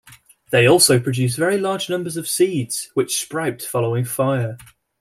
They also produce very large numbers of seeds, which sprout following fire.